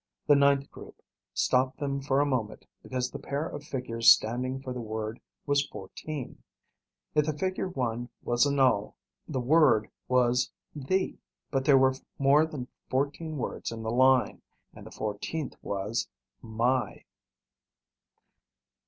The ninth group stopped them for a moment because the pair of figures standing for the word was 14. If the figure 1 was a null, the word was "the." But there were more than 14 words in the line, and the 14th was "my."